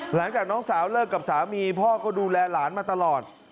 หลังจากน้องสาวเลิกกับสามีพ่อก็ดูแลหลานมาตลอด